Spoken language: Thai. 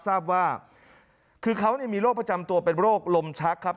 ทราบว่าคือเขามีโรคประจำตัวเป็นโรคลมชักครับ